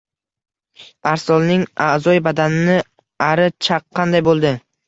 Arslonning a’zoi badanini ari chaqqanday bo‘ldi.